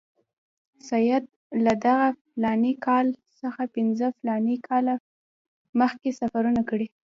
سید له دغه فلاني کال څخه پنځه فلاني کاله مخکې سفرونه کړي.